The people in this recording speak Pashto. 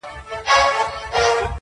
چي يې غړي تښتول د رستمانو!!